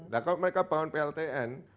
nah kalau mereka bangun pltn